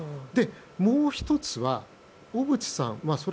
もう１つは、小渕さん。